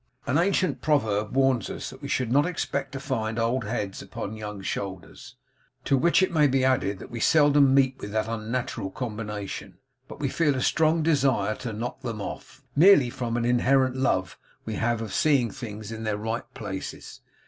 An ancient proverb warns us that we should not expect to find old heads upon young shoulders; to which it may be added that we seldom meet with that unnatural combination, but we feel a strong desire to knock them off; merely from an inherent love we have of seeing things in their right places.